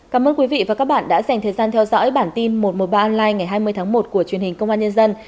cảm ơn quý vị và các bạn đã dành thời gian theo dõi bản tin một trăm một mươi ba online ngày hai mươi tháng một của truyền hình công an nhân dân